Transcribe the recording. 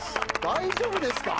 大丈夫ですか？